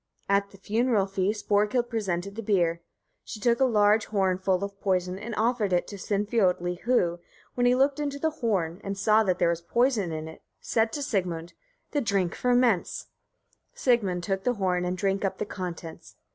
At the funeral feast Borghild presented the beer: she took a large horn full of poison, and offered it to Sinfiotli; who, when he looked into the horn, and saw that there was poison in it, said to Sigmund: "the drink ferments!" Sigmund took the horn and drank up the contents.